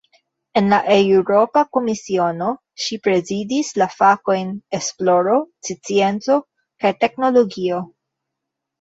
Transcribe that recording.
En la Eŭropa Komisiono, ŝi prezidis la fakojn "esploro, scienco kaj teknologio".